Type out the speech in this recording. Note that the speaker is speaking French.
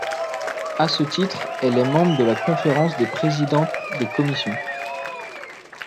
À ce titre, elle est membre de la Conférence des présidents des commissions.